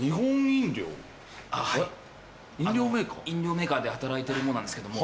飲料メーカーで働いてる者なんですけども。